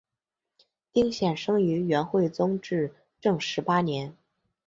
丁显生于元惠宗至正十八年。